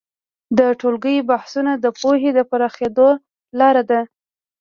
د ټولګیو بحثونه د پوهې د پراخېدو لاره ده.